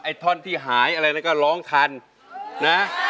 ท่อนที่หายอะไรก็ร้องทันนะ